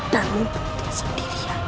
dan mumpung tidak sendirian